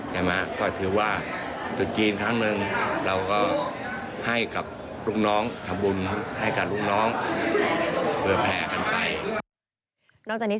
ใช่ไหมก็ถือว่าจุดจีนทั้งหนึ่ง